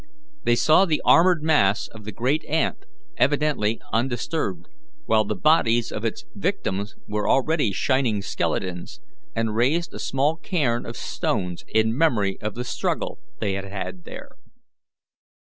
They saw the armoured mass of the great ant evidently undisturbed, while the bodies of its victims were already shining skeletons, and raised a small cairn of stones in memory of the struggle they had had there.